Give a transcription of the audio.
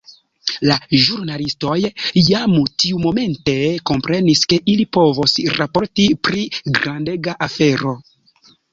La ĵurnalistoj jam tiumomente komprenis ke ili povos raporti pri grandega afero.